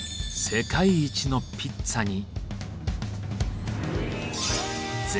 世界一のピッツァに。